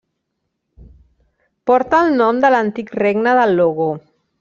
Porta el nom de l'antic Regne del Logo.